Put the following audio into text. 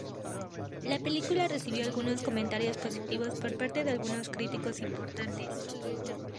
La película recibió algunos comentarios positivos por parte de algunos críticos importantes.